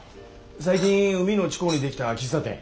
最近海の近うに出来た喫茶店。